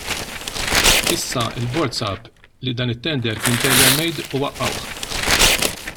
Issa l-bord sab li dan it-tender kien tailor made u waqqgħuh.